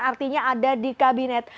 artinya ada di kabinet